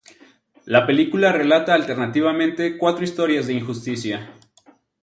La película relata alternativamente cuatro historias de injusticia.